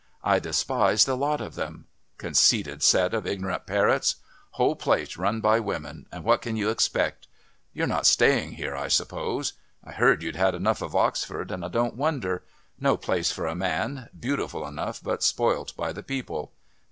I despise the lot of them. Conceited set of ignorant parrots.... Whole place run by women and what can you expect? You're not staying here, I suppose. I heard you'd had enough of Oxford and I don't wonder. No place for a man, beautiful enough but spoilt by the people.